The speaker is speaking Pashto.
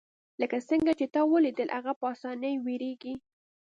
لکه څنګه چې تا ولیدل هغه په اسانۍ ویریږي